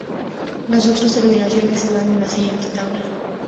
Las otras terminaciones se dan en la siguiente tabla.